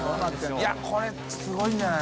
いこれすごいんじゃない？